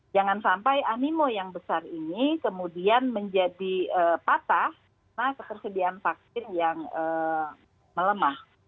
jangan sampai animo yang besar ini kemudian menjadi patah karena ketersediaan vaksin yang melemah